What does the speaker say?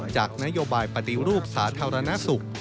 จากนโยบายปฏิรูปสาธารณสุข